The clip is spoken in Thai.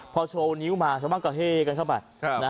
พอโชว์นิ้วบามั๊ยก็เฮ้กันเข้าไป